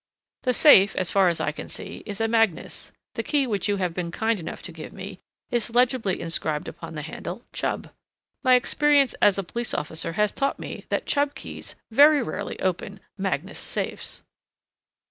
"The safe as far as I can see is a Magnus, the key which you have been kind enough to give me is legibly inscribed upon the handle 'Chubb.' My experience as a police officer has taught me that Chubb keys very rarely open Magnus safes."